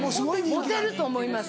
モテると思います。